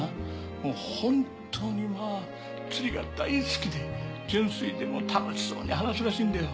もう本当にまあ釣りが大好きで純粋でもう楽しそうに話すらしいんだよ。